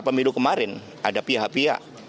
pemilu kemarin ada pihak pihak